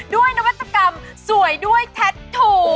นวัตกรรมสวยด้วยแท็ตทู